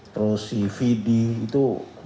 terus si fidi itu